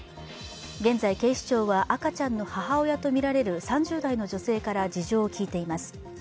現在、警視庁は赤ちゃんの母親とみられる３０代の女性から事情を聞いています。